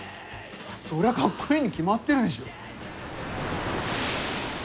そりゃかっこいいに決まってるでしょ。